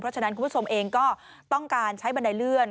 ฉะนั้นคุณผู้ชมเองก็ต้องการใช้บันไดเลื่อน